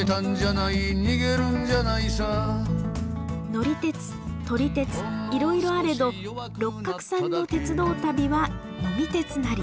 乗り鉄撮り鉄いろいろあれど六角さんの鉄道旅は呑み鉄なり。